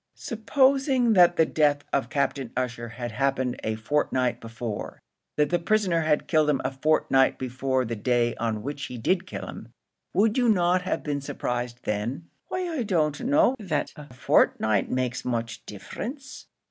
"Supposing that the death of Captain Ussher had happened a fortnight before that the prisoner had killed him a fortnight before the day on which he did kill him, would you not have been surprised then?" "Why I don't know that a fortnight makes much difference."